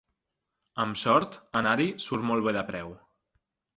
Amb sort, anar-hi surt molt bé de preu.